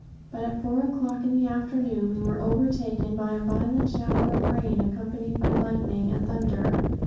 But at four o'clock in the afternoon, we were overtaken by a violent shower of rain accompanied by lightning and thunder.